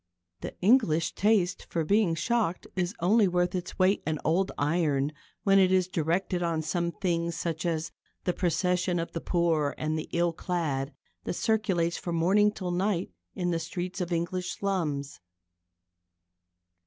The English taste for being shocked is only worth its weight in old iron when it is directed on some thing such as the procession of the poor and the ill clad that circulates from morning till night in the streets of English slums.